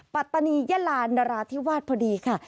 ปฏณีเยลานราธิวาสเพราะดีค่ะ